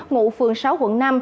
ngụ phường sáu quận năm